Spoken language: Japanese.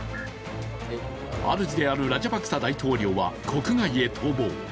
主であるラジャパクサ大統領は国外へ逃亡。